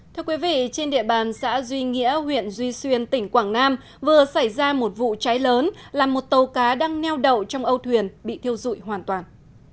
thưa quý vị trên địa bàn xã duy nghĩa huyện duy xuyên tỉnh quảng nam vừa xảy ra một vụ cháy lớn làm một tàu cá đang neo đậu trong âu thuyền bị thiêu dụi hoàn toàn